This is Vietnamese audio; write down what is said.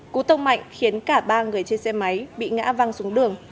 cú tông mạnh khiến cả ba người trên xe máy bị ngã văng xuống đường